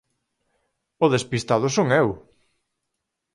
¡O despistado son eu!